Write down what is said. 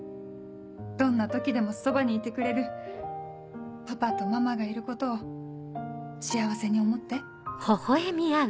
どんな時でもそばにいてくれるパパとママがいることを幸せに思って。